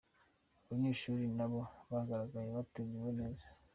Abanyeshuri nabo bagaragaje ko bateguwe neza.